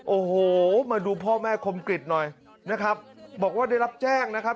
โอ้โหมาดูพ่อแม่คมกริจหน่อยนะครับบอกว่าได้รับแจ้งนะครับ